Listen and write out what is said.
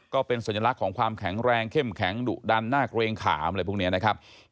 ก็เป็นสัญลักษณ์ของความแข็งแรงเข้มแข็งดุดันน่าเกรงขามอะไรพวกนี้นะครับ